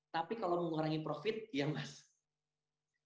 tapi kalau mengurangi profit ya mas